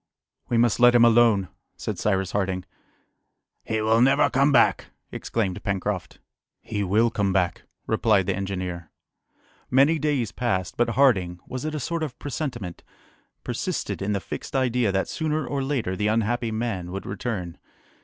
"We must let him alone!" said Cyrus Harding. "He will never come back!" exclaimed Pencroft. "He will come back," replied the engineer. Many days passed; but Harding was it a sort of presentiment? persisted in the fixed idea that sooner or later the unhappy man would return.